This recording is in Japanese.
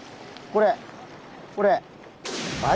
これこれ！